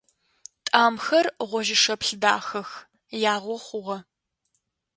Тӏамхэр гъожьы-шэплъ дахэх, ягъо хъугъэ.